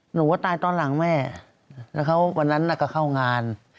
หนูว่าตายตอนหลังแล้วเมื่อนั้นเขาเข้างาน